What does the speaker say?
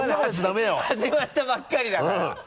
まだ始まったばっかりだから。